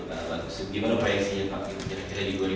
atau gimana proyeksinya pak kira kira di dua ribu enam belas ini